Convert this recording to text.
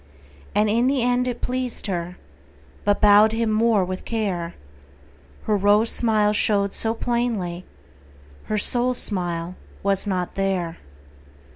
And in the end it pleased her, But bowed him more with care. Her rose smile showed so plainly, Her soul smile was not there.